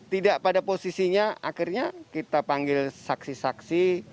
tidak pada posisinya akhirnya kita panggil saksi saksi